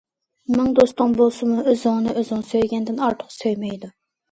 مىڭ دوستۇڭ بولسىمۇ، ئۆزۈڭنى- ئۆزۈڭ سۆيگەندىن ئارتۇق سۆيمەيدۇ.